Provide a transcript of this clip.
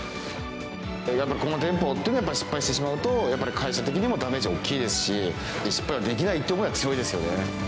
羽田の店舗っていうものを失敗してしまうと、やっぱり会社的にもダメージは大きいですし、失敗はできないという思いは強いですよね。